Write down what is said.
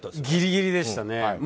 ギリギリでした。